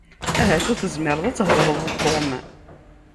Ahat ur tezmireḍ ad thedreḍ d Tom.